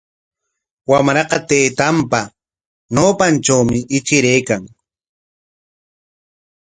Wamraqa taytanpa ñawpantrawmi ichiraykan.